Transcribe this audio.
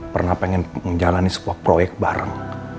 pernah pengen menjalani sebuah proyek bareng